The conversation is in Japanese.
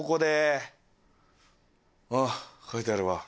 あっ書いてあるわ。